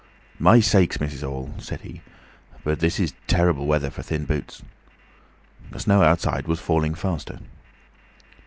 "My sakes! Mrs. Hall," said he, "but this is terrible weather for thin boots!" The snow outside was falling faster.